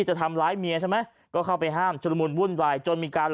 จะทำร้ายเมียใช่ไหมก็เข้าไปห้ามชุดละมุนวุ่นวายจนมีการ